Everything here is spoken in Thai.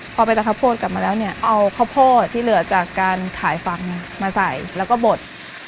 พอไปตัดข้าวโพดกลับมาแล้วเนี่ยเอาข้าวโพดที่เหลือจากการขายฟันมาใส่แล้วก็บด